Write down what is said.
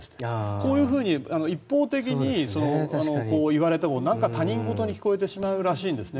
こういうふうに一方的に言われてもなんか他人事に聞こえてしまうらしいんですね。